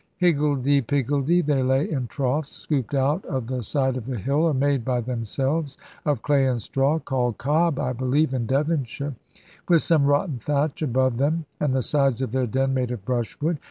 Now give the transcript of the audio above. Higgledy piggledy they lay in troughs scooped out of the side of the hill, or made by themselves, of clay and straw (called "cob," I believe, in Devonshire), with some rotten thatch above them, and the sides of their den made of brushwood.